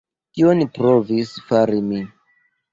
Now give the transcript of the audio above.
Tion provis fari mi.